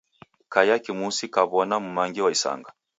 Kaiya kimusi kaw'ona m'mangi wa isanga.